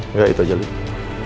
enggak itu aja dulu